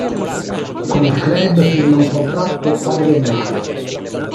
Con il club firma un contratto quadriennale.